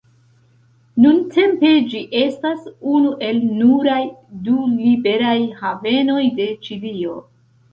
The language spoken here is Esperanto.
Nuntempe ĝi estas unu el nuraj du liberaj havenoj de Ĉilio.